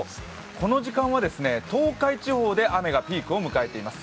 この時間は東海地方で雨のピークを迎えています。